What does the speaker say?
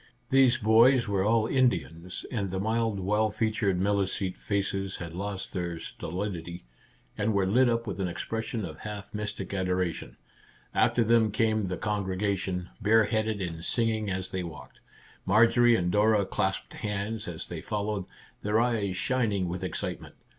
These boys were all Indians, and the mild well featured Milicete faces had lost their stolidity, and were lit up with an expression of half mystic adora tion. After them came the congregation, bare headed, and singing as they walked. Marjorie and Dora clasped hands as they followed, their eyes shining with excitement.